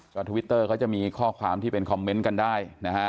ก็ทวิตเตอร์เขาจะมีข้อความที่เป็นคอมเมนต์กันได้นะฮะ